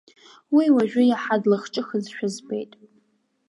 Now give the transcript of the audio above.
Уи уажәы иаҳа длахҿыхызшәа збеит.